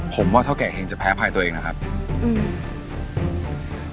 ผมว่าเท่าแก่เห็งจะแพ้ภายตัวเองนะครับอืม